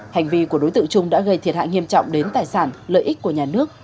hành vi của đối tượng trung đã gây thiệt hại nghiêm trọng đến tài sản lợi ích của nhà nước